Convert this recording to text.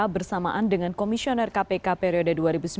bersamaan dengan komisioner kpk periode dua ribu sembilan belas dua ribu dua